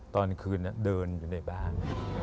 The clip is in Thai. ตอนคืนเดินอยู่ในบ้าน